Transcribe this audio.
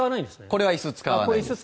これは椅子を使わないです。